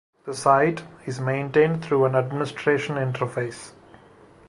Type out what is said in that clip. The site is maintained through an administration interface.